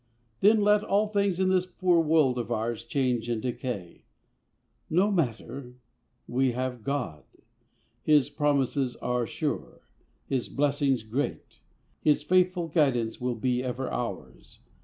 Then let all things in this poor world of ours Change and decay; no matter, we have God. His promises are sure, His blessings great; His faithful guidance will be ever ours.